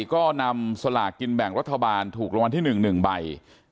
ก็นำสลากกินแบ่งรัฐบาลถูกรางวัลที่๑๑ใบ